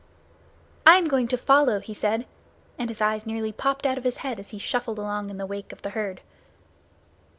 "I am going to follow," he said, and his eyes nearly popped out of his head as he shuffled along in the wake of the herd.